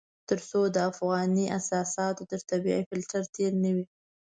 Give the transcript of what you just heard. تر څو د افغاني اساساتو تر طبيعي فلټر تېر نه وي.